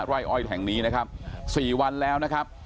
ไร่อ้อยแห่งนี้นะครับ๔วันแล้วนะครับ